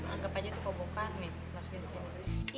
anggep aja itu kobokan nih